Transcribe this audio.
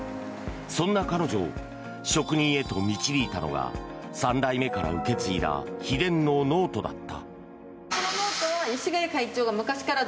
そんな彼女を職人へと導いたのが３代目から受け継いだ秘伝のノートだった。